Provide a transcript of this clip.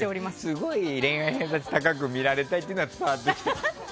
すごい、恋愛偏差値高く見られたいっていうのは伝わってきた。